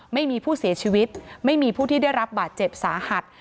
ไม่มีผู้เสียชีวิตไม่มีผู้ที่ได้รับบาดเจ็บสาหัส